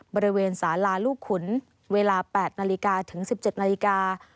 บริเวณสาลาลูกขุนเวลา๘นาฬิกาถึง๑๗นาฬิกา